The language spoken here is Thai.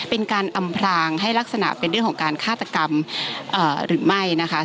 เป็นการอำพลางให้ลักษณะเป็นเรื่องของการฆาตกรรมหรือไม่นะคะ